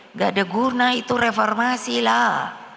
nggak ada guna itu reformasi lah